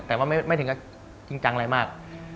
แต่ว่าไม่ถึงกับจริงจังอะไรมาก